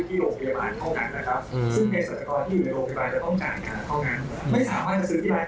คุณหมอจะเลือกให้ยาเพื่อดูความเร่งหลวน